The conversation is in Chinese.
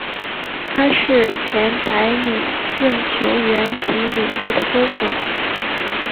他是前白礼顿球员及领队的哥哥。